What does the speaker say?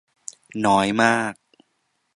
น้อยมาก